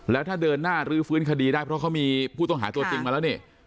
แล้วถ้าเดินหน้ารื้อฟื้นคดีได้เพราะเขามีผู้ต้องหาตัวจริงมาแล้วนี่